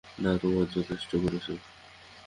না, তোমরা যথেষ্ট করেছ।